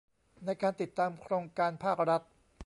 ในการติดตามโครงการภาครัฐ